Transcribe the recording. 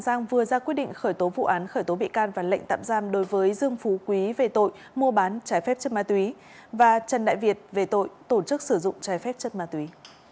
cơ quan cảnh sát điều tra công an vừa ra quyết định khởi tố vụ án khởi tố bị can và lệnh tạm giam đối với dương phú quý về tội mua bán trái phép chất ma túy và trần đại việt về tội tổ chức sử dụng trái phép chất ma túy